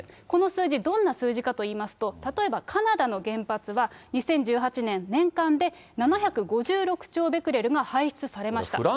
この数字、どんな数字かといいますと、例えば、カナダの原発は２０１８年、年間で７５６兆ベクレルが排出されました。